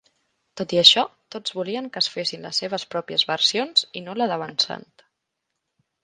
Tot i això, tots volien que es fessin les seves pròpies versions i no la de Van Sant.